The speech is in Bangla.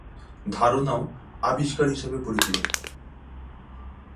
ধারণাও আবিষ্কার হিসেবে পরিচিত।